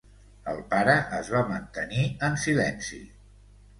El pare es va mantenir en silenci.